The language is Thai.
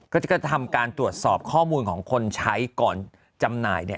ก็จะทำการตรวจสอบข้อมูลของคนใช้ก่อนจำหน่ายเนี่ย